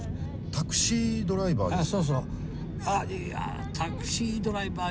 「タクシードライバー」ですか？